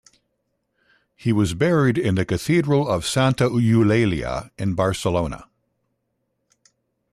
He was buried in the Cathedral of Santa Eulalia in Barcelona.